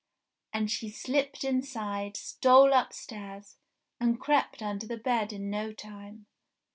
And she slipped inside, stole upstairs, and crept under the bed in no time.